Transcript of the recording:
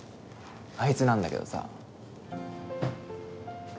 あいつなんだけどさ。